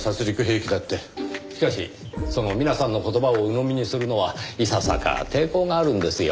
しかしそのミナさんの言葉を鵜呑みにするのはいささか抵抗があるんですよ。